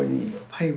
はい。